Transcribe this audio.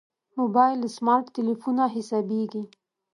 موبایل له سمارټ تلېفونه حسابېږي.